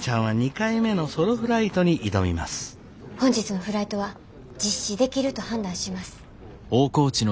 本日のフライトは実施できると判断します。